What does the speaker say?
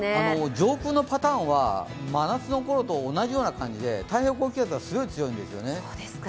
上空のパターンは真夏のころと同じような感じで太平洋高気圧がすごい強いんですよね。